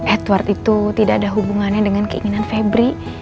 edward itu tidak ada hubungannya dengan keinginan febri